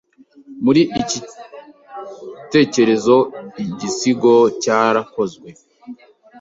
Muri iki cyitegererezo igisigo cyarakozwe